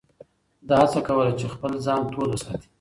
ده هڅه کوله چې خپل ځان تود وساتي.